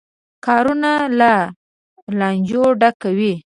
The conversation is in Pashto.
کارونه له لانجو ډکوي.